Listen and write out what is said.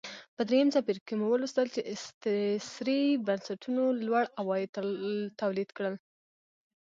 په درېیم څپرکي کې مو ولوستل چې استثري بنسټونو لوړ عواید تولید کړل